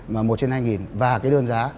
mà một trên hai nghìn và cái đơn giá